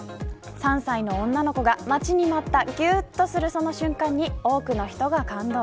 ３歳の女の子が待ちに待ったぎゅーっとするその瞬間に多くの人が感動